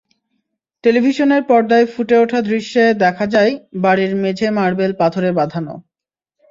টেলিভিশনের পর্দায় ফুটে ওঠা দৃশ্যে দেখা যায়, বাড়ির মেঝে মার্বেল পাথরে বাঁধানো।